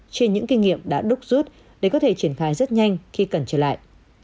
trên những kinh nghiệm đã đúc rút để có thể triển khai rất nhanh khi cần trở lại